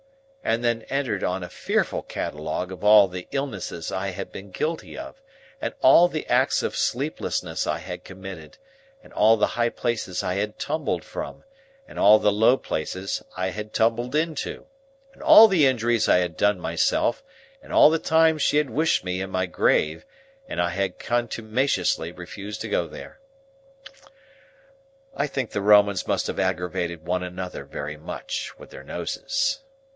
and then entered on a fearful catalogue of all the illnesses I had been guilty of, and all the acts of sleeplessness I had committed, and all the high places I had tumbled from, and all the low places I had tumbled into, and all the injuries I had done myself, and all the times she had wished me in my grave, and I had contumaciously refused to go there. I think the Romans must have aggravated one another very much, with their noses.